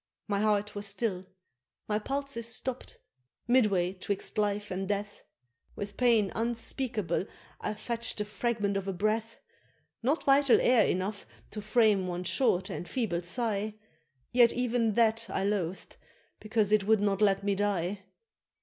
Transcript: My heart was still my pulses stopp'd midway 'twixt life and death, With pain unspeakable I fetch'd the fragment of a breath, Not vital air enough to frame one short and feeble sigh, Yet even that I loath'd because it would not let me die.